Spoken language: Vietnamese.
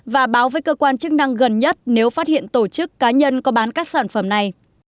và báo với cơ quan chức năng gần nhất nếu phát hiện tổ chức cá nhân có bán các sản phẩm này